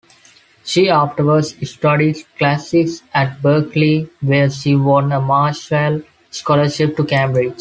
She afterwards studied Classics at Berkeley, where she won a Marshall Scholarship to Cambridge.